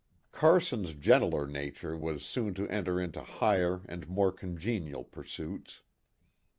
Carson's gentler nature was soon to enter into higher and more congenial pursuits.